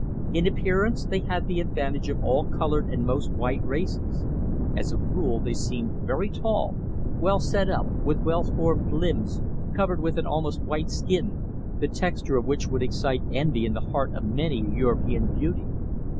In appearance they had the advantage of all coloured and most white races. As a rule they seemed very tall, well set up, with well formed limbs covered with an almost white skin, the texture of which would excite envy in the heart of many a European beauty.